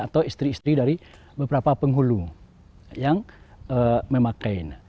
atau istri istri dari beberapa penghulu yang memakai